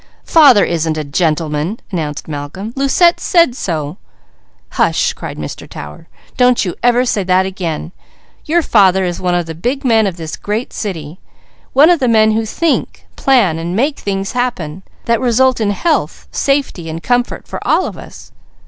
"Father isn't a gentleman!" announced Malcolm. "Lucette said so!" "Hush!" cried Mr. Tower. "Don't you ever say that again! Your father is one of the big men of this great city: one of the men who think, plan, and make things happen, that result in health, safety and comfort for all of us.